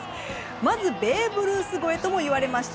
まずベーブ・ルース超えともいわれました。